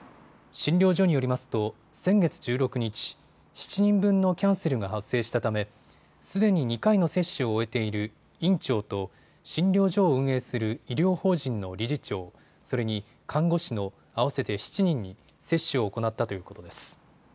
診療所によりますと先月１６日、７人分のキャンセルが発生したためすでに２回の接種を終えている院長と診療所を運営する医療法人の理事長、それに看護師の合わせて７人に接種を行ったということです。